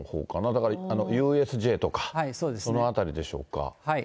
だからＵＳＪとか、その辺りでしょうか。